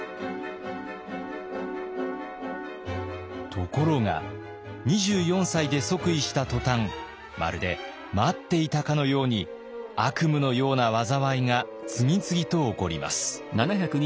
ところが２４歳で即位した途端まるで待っていたかのように悪夢のような災いが次々と起こります。